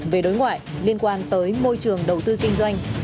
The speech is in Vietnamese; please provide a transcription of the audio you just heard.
về đối ngoại liên quan tới môi trường đầu tư kinh doanh